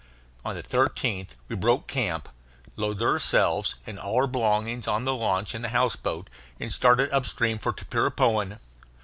On the 13th we broke camp, loaded ourselves and all our belongings on the launch and the house boat, and started up stream for Tapirapoan.